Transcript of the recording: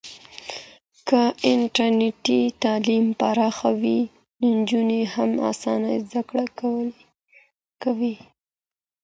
که انټرنېټي تعلیم پراخ وي، نجونې هم اسانه زده کړه کوي.